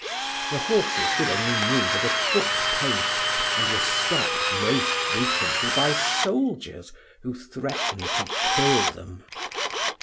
The horses could only move at a foot pace, and were stopped most frequently by soldiers, who threatened to kill them.